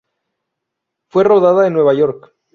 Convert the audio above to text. Fue rodada en Nueva York.